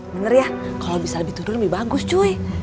bener ya kalau bisa lebih turun lebih bagus cuy